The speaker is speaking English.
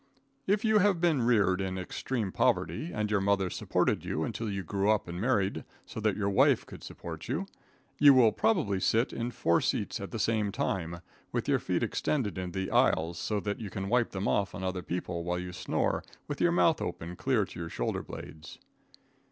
If you have been reared in extreme poverty, and your mother supported you until you grew up and married, so that your wife could support you, you will probably sit in four seats at the same time, with your feet extended into the aisles so that you can wipe them off on other people, while you snore with your mouth open clear to your shoulder blades.